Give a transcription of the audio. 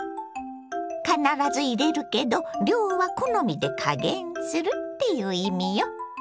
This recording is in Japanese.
必ず入れるけど量は好みで加減するっていう意味よ。